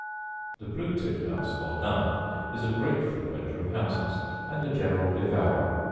The blue titmouse, or nun, is a great frequenter of houses, and a general devourer.